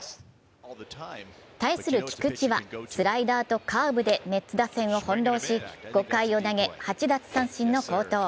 対する菊池は、スライダーとカーブでメッツ打線をほんろうし、５回を投げ８奪三振の好投。